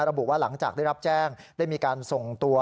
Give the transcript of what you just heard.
ระบุว่าหลังจากได้รับแจ้งได้มีการส่งตัว